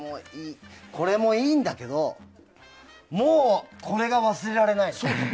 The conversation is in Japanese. これもいいんだけどもう、これが忘れられないの！